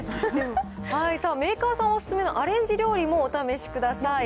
メーカーさんお勧めのアレンジ料理もお試しください。